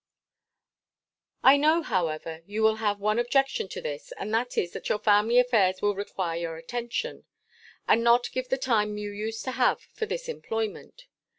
'I know, however, you will have one objection to this; and that is, that your family affairs will require your attention, and not give the time you used to have for this employment.